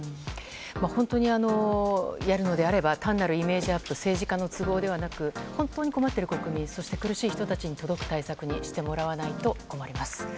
本当にやるのであれば単なるイメージアップ政治家の都合ではなく本当に困っている国民そして、苦しい人たちに届く対策にしてもらわないと困ります。